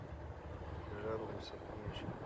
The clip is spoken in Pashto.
ژر غوسه کېږي.